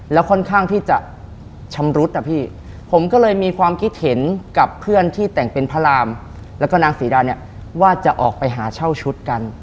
แล้วค่อนข้างที่จะชำรุดนะพี่ผมก็เลยมีความคิดเห็นกับเพื่อนที่แต่งเป็นพระรามแล้วก็นางศรีดาเนี่ยว่าจะออกไปหาเช่าชุดกัน